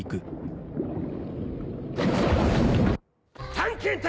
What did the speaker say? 探検隊！